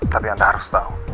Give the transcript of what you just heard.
tapi anda harus